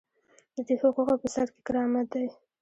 د دې حقوقو په سر کې کرامت دی.